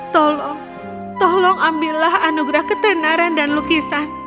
tolong tolong ambillah anugerah ketenaran dan lukisan